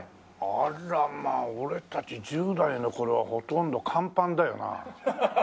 あらま俺たち１０代の頃はほとんど乾パンだよな。